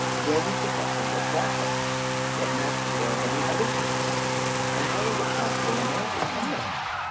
Where was the vessel that brought them? What marks were there of any other footstep? And how was it possible a man should come there?